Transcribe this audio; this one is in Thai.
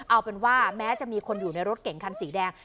เอาเป็นว่าแม้จะมีคนอยู่ในรถเก่งคันสีแดง